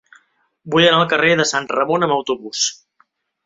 Vull anar al carrer de Sant Ramon amb autobús.